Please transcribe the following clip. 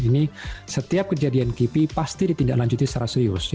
ini setiap kejadian kipi pasti ditindaklanjuti secara serius